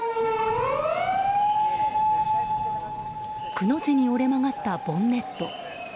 くの字に折れ曲がったボンネット。